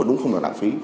đúng không là nặng phí